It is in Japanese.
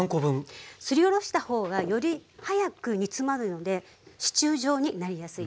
すりおろした方がより早く煮詰まるのでシチュー状になりやすいです。